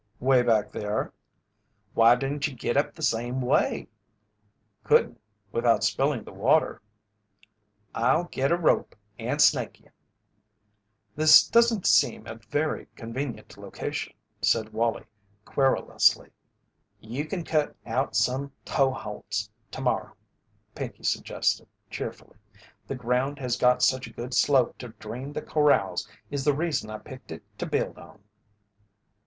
"'Way back there." "Why didn't you git up the same way?" "Couldn't without spilling the water." "I'll git a rope and snake you." "This doesn't seem like a very convenient location," said Wallie, querulously. "You can cut out some toe holts to morrow," Pinkey suggested, cheerfully. "The ground has got such a good slope to drain the corrals is the reason I picked it to build on."